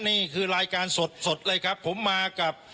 นี่คือรายการสดเลยครับผมมากับ